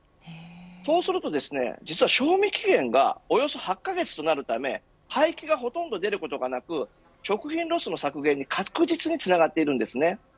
そうすると実は賞味期限がおよそ８カ月となるため廃棄が出ることがほとんどなく食品ロスの削減に確実につながっているんですね。